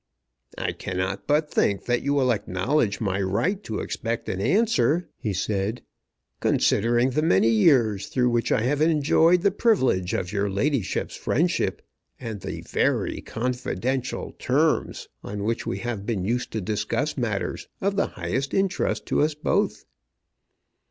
"I cannot but think that you will acknowledge my right to expect an answer," he said, "considering the many years through which I have enjoyed the privilege of your ladyship's friendship, and the very confidential terms on which we have been used to discuss matters of the highest interest to us both."